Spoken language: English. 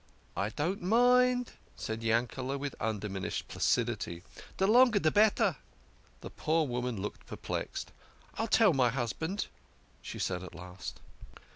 " I don't mind," said Yankele' with undiminished placidity, " de longer de better." The poor woman looked perplexed. " I'll tell my hus band," she said at last.